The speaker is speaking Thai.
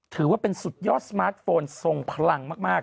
ถือว่าเป็นสุดยอดสมาร์ทโฟนทรงพลังมาก